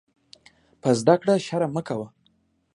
په زده کړه شرم مه کوۀ.